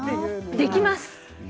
できます。